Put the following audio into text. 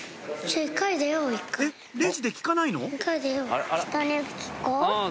えっレジで聞かないの？